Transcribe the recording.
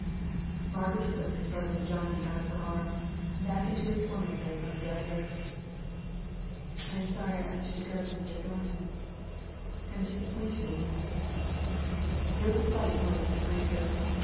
Margaret put the struggling Johnnie out of her arms, back into his former place on the dresser. "I am sorry I asked you to go to Mr. Thornton's. I am disappointed in him." There was a slight noise behind her.